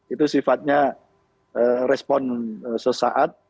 itu sifatnya respon sesaat